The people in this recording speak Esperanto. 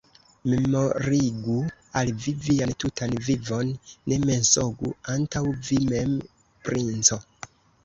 Rememorigu al vi vian tutan vivon, ne mensogu antaŭ vi mem, princo!